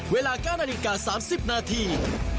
เวลา๙นาฬิกา๓๐นาที